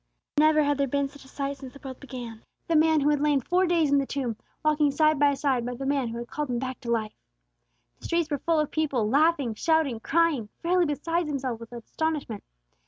Never had there been such a sight since the world began: the man who had lain four days in the tomb, walking side by side with the man who had called him back to life. The streets were full of people, laughing, shouting, crying, fairly beside themselves with astonishment.